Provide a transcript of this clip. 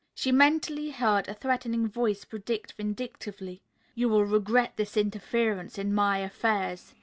She mentally heard a threatening voice predict vindictively, "You will regret this interference in my affairs."